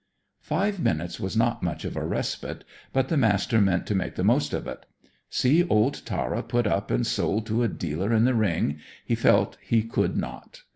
Five minutes was not much of a respite, but the Master meant to make the most of it. See old Tara put up and sold to a dealer in the ring, he felt he could not.